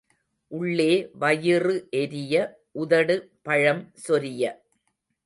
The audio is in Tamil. உள்ளே வயிறு எரிய, உதடு பழம் சொரிய.